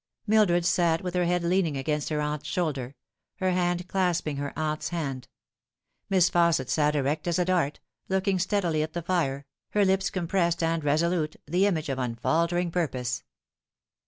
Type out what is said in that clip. Mildred sat with her head leaning against her aunt's shoulder, her hand clasping her aunt's hand. Miss Fausset sat erect as a dart, looking steadily at the fire, her lips compressed and resolute, the image of unfaltering purpose.